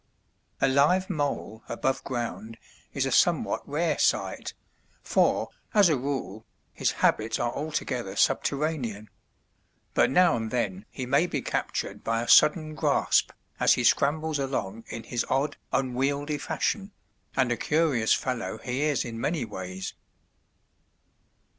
A live mole above ground is a somewhat rare sight, for, as a rule, his habits are altogether subterranean; but now and then he may be captured by a sudden grasp as he scrambles along in his odd, unwieldly fashion, and a curious fellow he is in many ways.